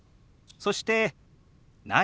そして「何？」。